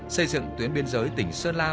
xây dựng tuyến biên giới tỉnh sơn la